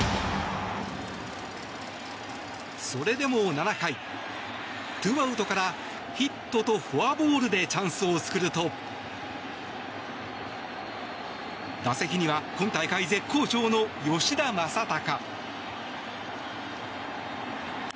それでも７回、ツーアウトからヒットとフォアボールでチャンスを作ると打席には今大会絶好調の吉田正尚。